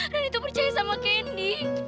rani tuh percaya sama candy